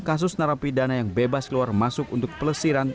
kasus narapi dana yang bebas keluar masuk untuk pelesiran